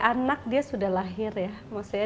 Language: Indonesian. anak dia sudah lahir ya maksudnya